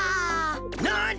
なに！？